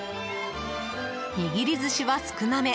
握り寿司は少なめ。